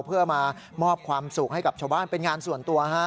เพื่อมามอบความสุขให้กับชาวบ้านเป็นงานส่วนตัว